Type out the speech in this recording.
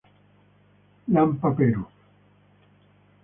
Lampa Peru.